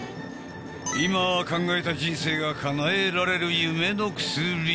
今考えた人生がかなえられる夢の薬。